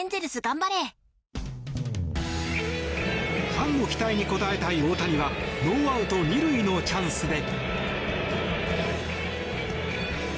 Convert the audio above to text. ファンの期待に応えたい大谷はノーアウト２塁のチャンスで。